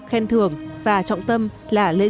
khen thường và trọng tâm là lễ diễn